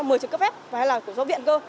mời trường cấp phép hay là của giáo viện cơ